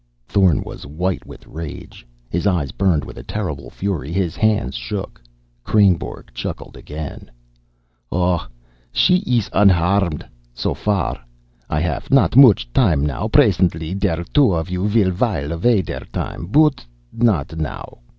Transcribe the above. Thorn was white with rage. His eyes burned with a terrible fury. His hands shook. Kreynborg chuckled again. "Oh, she is unharmed so far. I haff not much time now. Presently der two of you will while away der time. But not now."